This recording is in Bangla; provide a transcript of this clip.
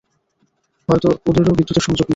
হয়তো ওদেরও বিদ্যুতের সংযোগ নেই!